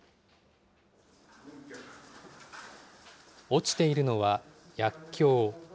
落ちているのは薬きょう。